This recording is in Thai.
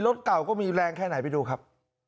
รถเก่าก็มีแรงแค่ไหนไปดูครับ